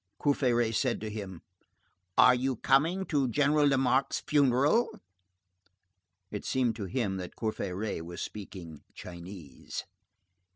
Courfeyrac said to him:— "Are you coming to General Lamarque's funeral?" It seemed to him that Courfeyrac was speaking Chinese.